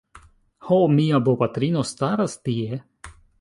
Ho... mia bopatrino staras tie